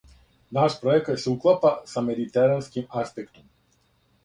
Наш пројекат се уклапа са медитеранским аспектом.